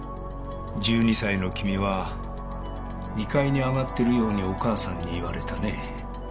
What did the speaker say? １２歳の君は２階に上がってるようにお母さんに言われたね。